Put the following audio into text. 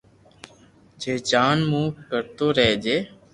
جي جان مون ڪرتو رھجي